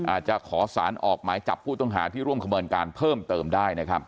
อาจจะขอสารออกหมายจับผู้ต้องหาที่ร่วมขบวนการเพิ่มเติมได้นะครับ